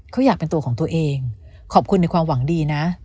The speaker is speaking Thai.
เขาอยากเป็นตัวของตัวเองขอบคุณในความหวังดีนะ